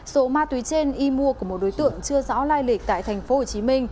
số ma túy trên y mua của một đối tượng chưa rõ lai lịch tại tp hcm